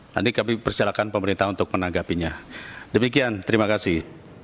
nanti kami persilahkan pemerintah untuk menanggapinya demikian terima kasih